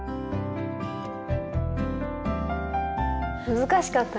難しかったね。